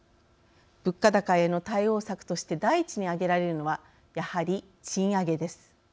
物価高への対応策として第一に挙げられるのはやはり賃上げです。